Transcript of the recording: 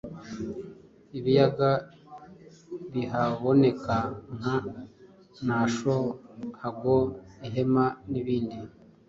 ibiyaga bihaboneka nka Nasho, Hago, Ihema n’ibindi.